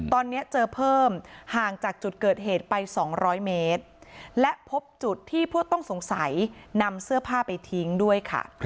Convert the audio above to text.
ตอนนี้เจอเพิ่มห่างจากจุดเกิดเหตุไป๒๐๐เมตรและพบจุดที่ผู้ต้องสงสัยนำเสื้อผ้าไปทิ้งด้วยค่ะ